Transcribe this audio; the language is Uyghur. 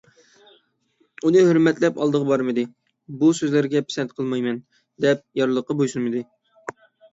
ئۇنى ھۆرمەتلەپ ئالدىغا بارمىدى، «بۇ سۆزلەرگە پىسەنت قىلمايمەن» دەپ يارلىققا بويسۇنمىدى.